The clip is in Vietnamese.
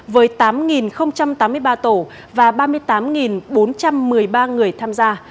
với tám tám mươi ba tổ và ba mươi tám bốn trăm một mươi ba người tham gia